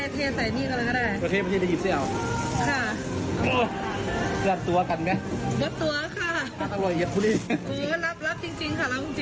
สังหรับจริงครับสังหรับจริง